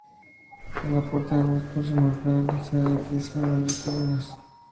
Para la puerta, hueco semicircular, se han utilizado grandes dovelas.